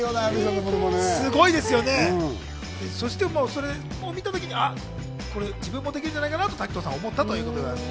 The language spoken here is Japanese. それを見たときに自分もできるんじゃないかなと滝藤さんは思ったということです。